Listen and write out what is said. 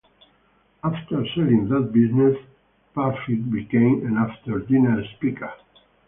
After selling that business, Parfitt became an after-dinner speaker.